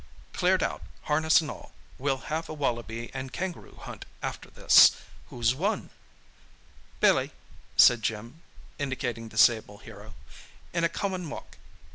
Cleared out, harness and all. We'll have a wallaby and kangaroo hunt after this. Who's won?" "Billy," said Jim, indicating that sable hero. "In a common walk.